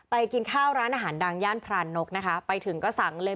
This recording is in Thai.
กินข้าวร้านอาหารดังย่านพรานนกนะคะไปถึงก็สั่งเลย